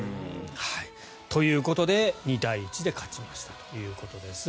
ということで２対１で勝ちましたということです。